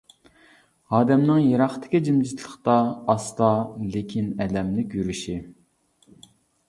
ئادەمنىڭ يىراقتىكى جىمجىتلىقتا ئاستا، لېكىن ئەلەملىك يۈرۈشى.